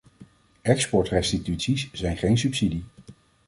Exportrestituties zijn geen subsidie.